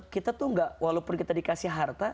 kita tuh gak walaupun kita dikasih harta